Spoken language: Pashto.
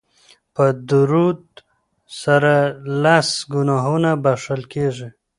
په درود سره لس ګناهونه بښل کیږي